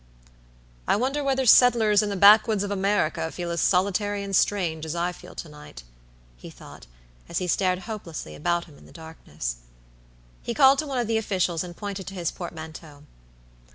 "I wonder whether settlers in the backwoods of America feel as solitary and strange as I feel to night?" he thought, as he stared hopelessly about him in the darkness. He called to one of the officials, and pointed to his portmanteau.